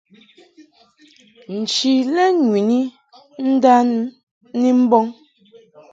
Nchi lɛ ŋwini ndan ni mbɔŋ.